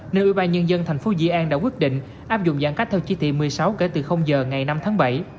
nên ủy ban nhân dân thành phố dĩ an đã quyết định áp dụng giãn cách theo chi ti một mươi sáu kể từ giờ ngày năm tháng bảy